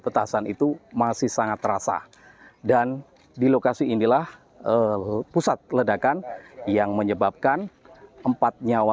petasan itu masih sangat terasa dan di lokasi inilah pusat ledakan yang menyebabkan empat nyawa